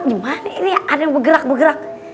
gimana ini ada yang bergerak bergerak